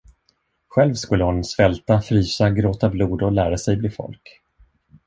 Själv skulle hon svälta, frysa, gråta blod och lära sig bli folk.